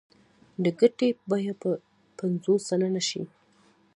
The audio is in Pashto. د ګټې بیه به پنځوس سلنه شي